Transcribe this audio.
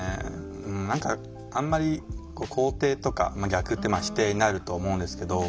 何かあんまり肯定とか逆って否定になると思うんですけど。